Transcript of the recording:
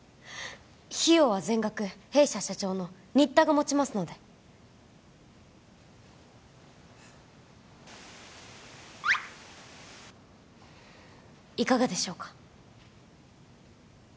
費用は全額弊社社長の新田が持ちますのでいかがでしょうか？